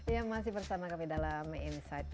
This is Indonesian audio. ya masih bersama kami dalam insight